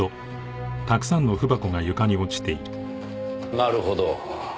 なるほど。